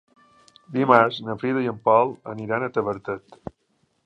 Dimarts na Frida i en Pol aniran a Tavertet.